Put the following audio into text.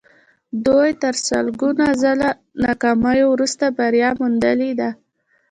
دوی تر سلګونه ځله ناکامیو وروسته بریا موندلې ده